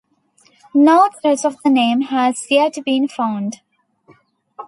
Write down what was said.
No trace of the name has yet been found.